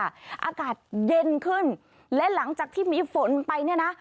อากาศเย็นขึ้นและหลังจากที่มีฝนไปเนี่ยนะ